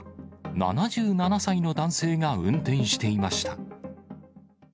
７７歳の男性が運転していました。